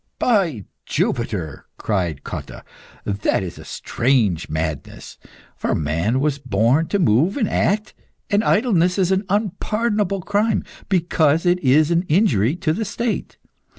"By Jupiter!" cried Cotta, "that is a strange madness. For man was born to move and act, and idleness is an unpardonable crime, because it is an injury to the State.